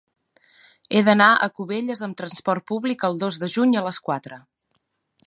He d'anar a Cubelles amb trasport públic el dos de juny a les quatre.